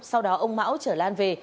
sau đó ông mão chở lan về